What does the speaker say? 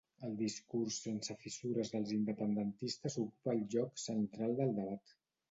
El discurs sense fissures dels independentistes ocupa el lloc central del debat